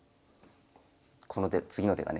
この手次の手がね。